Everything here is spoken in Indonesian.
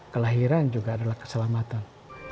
kelahiran juga adalah keselamatan